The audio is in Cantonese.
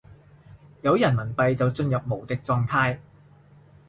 有人民幣就進入無敵狀態